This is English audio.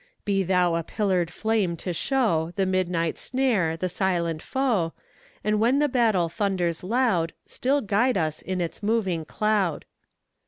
Be Thou a pillar'd flame to show The midnight snare, the silent foe, And when the battle thunders loud, Still guide us in its moving cloud.